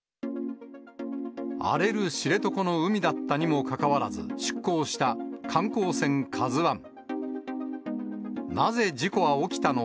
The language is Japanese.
荒れる知床の海だったにもかかわらず、出航した観光船カズワン。